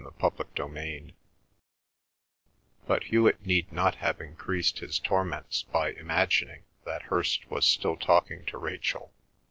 CHAPTER XIX But Hewet need not have increased his torments by imagining that Hirst was still talking to Rachel.